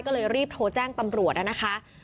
ก็เลยรีบโทรแจ้งตำรวจนะคะ